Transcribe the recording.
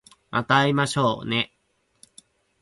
また会いましょうね